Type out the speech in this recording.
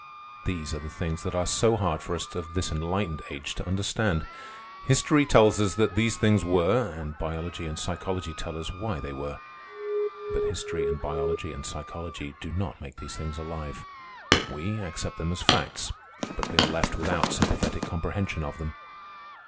These are the things that are so hard for us of this enlightened age to understand. History tells us that these things were, and biology and psychology tell us why they were; but history and biology and psychology do not make these things alive. We accept them as facts, but we are left without sympathetic comprehension of them.